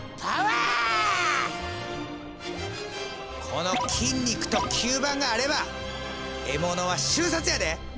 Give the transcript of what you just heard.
この筋肉と吸盤があれば獲物は瞬殺やで！